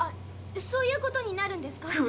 そういうことになるんですか？